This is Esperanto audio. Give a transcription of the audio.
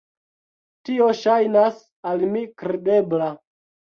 Tio ŝajnas al mi kredebla.